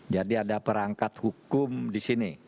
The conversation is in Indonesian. jadi ada perangkat hukum di sini